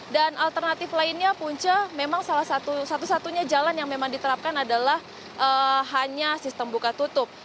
dan alternatif lainnya punca memang salah satu satu satunya jalan yang memang diterapkan adalah hanya sistem buka tutup